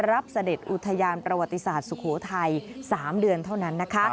เสด็จอุทยานประวัติศาสตร์สุโขทัย๓เดือนเท่านั้นนะคะ